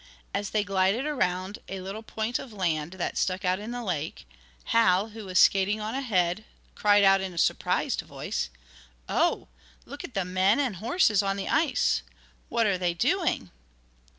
As they glided around a little point of land, that stuck out in the lake, Hal, who was skating on ahead, cried out, in a surprised voice: "Oh, look at the men and horses on the ice! What are they doing?"